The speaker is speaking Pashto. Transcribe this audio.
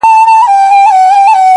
چي هر څه یې په دانو خواري ایستله٫